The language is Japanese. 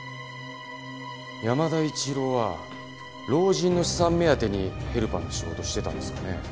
山田一郎は老人の資産目当てにヘルパーの仕事してたんですかね？